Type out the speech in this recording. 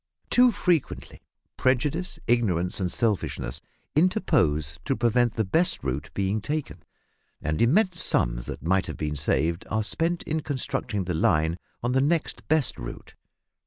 Too frequently prejudice, ignorance, and selfishness interpose to prevent the best route being taken, and immense sums that might have been saved are spent in constructing the line on the next best route.